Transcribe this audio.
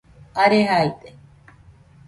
are jaide